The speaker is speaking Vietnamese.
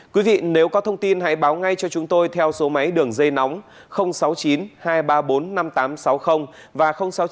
quý vị nếu có thông tin hãy báo ngay cho chúng tôi theo số máy đường dây nóng sáu mươi chín hai trăm ba mươi bốn năm nghìn tám trăm sáu mươi và sáu mươi chín hai trăm ba mươi một một nghìn sáu trăm bảy